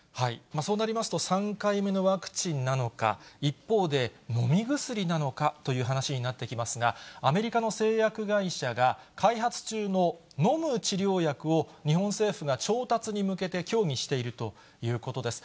そうなりますと、３回目のワクチンなのか、一方で飲み薬なのかという話になってきますが、アメリカの製薬会社が、開発中の飲む治療薬を、日本政府が調達に向けて協議しているということです。